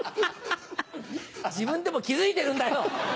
自分でも気付いてるんだよ。